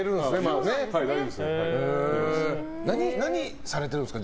何されているんですか？